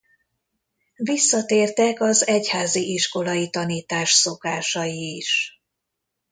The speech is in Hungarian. Visszatértek az egyházi iskolai tanítás szokásai is.